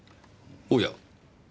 おや？